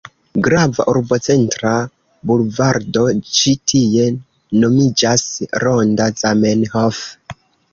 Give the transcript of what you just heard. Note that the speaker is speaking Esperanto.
Grava urbocentra bulvardo ĉi tie nomiĝas Ronda Zamenhof.